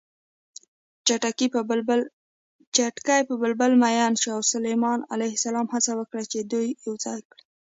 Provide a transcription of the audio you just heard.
چتکي په بلبله مین شو او سلیمان ع هڅه وکړه چې دوی یوځای کړي